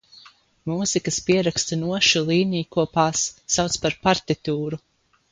Mūzikas pierakstu nošu līnijkopās sauc par partitūru.